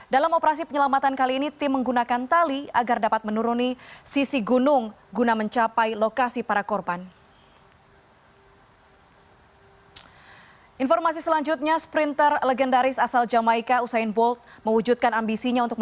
dalam operasi penyelamatan kali ini anak sungai raganelo berada di sebuah ngarai yang sempit dengan kedalaman satu km